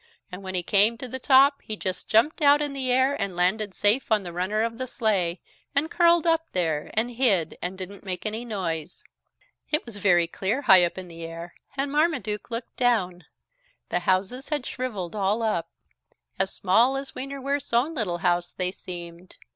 And when he came to the top he just jumped out in the air and landed safe on the runner of the sleigh, and curled up there and hid and didn't make any noise. It was very clear high up in the air, and Marmaduke looked down. The houses had shrivelled all up. As small as Wienerwurst's own little house they seemed.